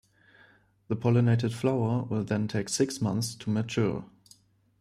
The pollinated flower will then take six months to mature.